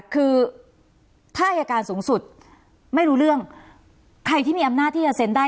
คือถ้าอายการสูงสุดไม่รู้เรื่องใครที่มีอำนาจที่จะเซ็นได้